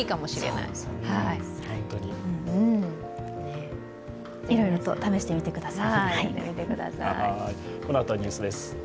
いろいろと試してみてください。